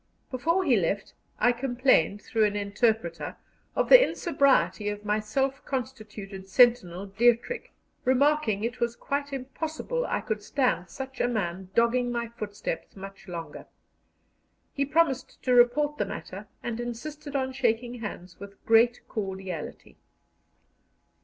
Before he left, I complained, through an interpreter, of the insobriety of my self constituted sentinel Dietrich, remarking it was quite impossible I could stand such a man dogging my footsteps much longer. He promised to report the matter, and insisted on shaking hands with great cordiality.